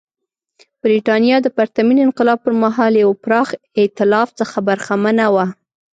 برېټانیا د پرتمین انقلاب پر مهال له یوه پراخ اېتلاف څخه برخمنه وه.